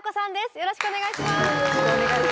よろしくお願いします。